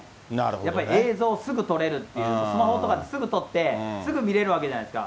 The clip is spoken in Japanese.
やっぱり映像をすぐ撮れるという、スマホとかですぐ撮って、すぐ見れるわけじゃないですか。